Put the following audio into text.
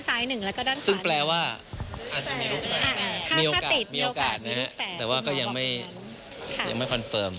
ซึ่งแปลว่ามีโอกาสนะครับแต่ว่าก็ยังไม่คอนเฟิร์ม